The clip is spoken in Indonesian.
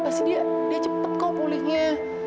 pasti dia cepet kok pulihnya